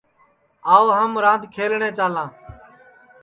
آو ہم راند کھیلٹؔے چالاں